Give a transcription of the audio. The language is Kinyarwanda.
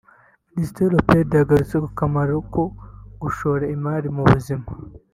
Minisitiri Opendi yagarutse ku kamaro ko gushora imari mu buzima